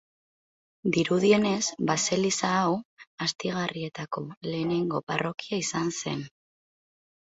Dirudienez, baseliza hau Astigarrietako lehenengo parrokia izan zen.